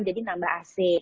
jadi nambah ac